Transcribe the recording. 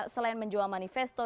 selain menjual manifesto